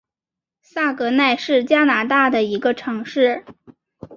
萨格奈是加拿大的一个城市。